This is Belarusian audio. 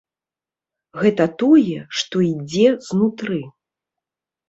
Гэта тое, што ідзе знутры.